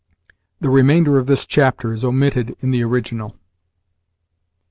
[The remainder of this chapter is omitted in the original.